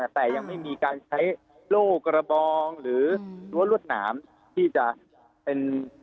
แต่ยังไม่มีการใช้โล่กระบองหรือรั้วรวดหนามที่จะเป็น